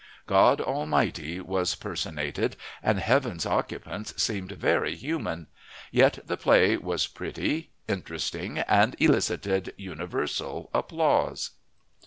God Almighty was personated, and heaven's occupants seemed very human. Yet the play was pretty, interesting, and elicited universal applause.